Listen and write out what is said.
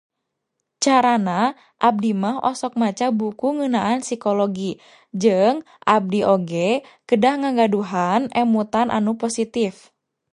Cara na, abdi mah osok maca buku ngeunaan psikologi jeung abdi oge kedah ngagaduhan emutan anu positif.